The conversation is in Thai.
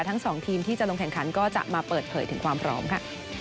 ทั้งสองทีมที่จะลงแข่งขันก็จะมาเปิดเผยถึงความพร้อมค่ะ